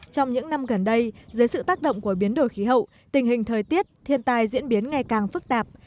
trong những năm gần đây dưới sự tác động của biến đổi khí hậu tình hình thời tiết thiên tài diễn biến ngày càng phức tạp